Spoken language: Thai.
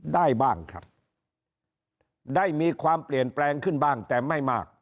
ได้บ้างครับได้มีความเปลี่ยนแปลงขึ้นบ้างแต่ไม่มาก